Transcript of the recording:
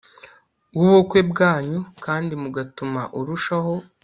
w ubukwe bwanyu kandi mugatuma urushaho